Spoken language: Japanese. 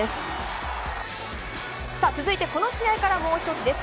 この試合からもう１つです。